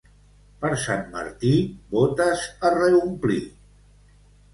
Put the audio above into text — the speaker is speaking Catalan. Per Sant Martí, botes a reomplir.